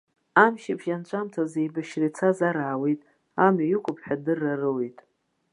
Амчыбжь анҵәамҭаз еибашьра ицаз ар аауеит, амҩа иқәуп ҳәа адырра роуит.